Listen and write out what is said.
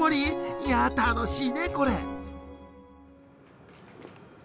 いや楽しいねこれ。